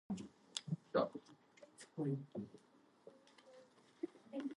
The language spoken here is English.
Additionally, findings suggest that deception is not harmful to subjects.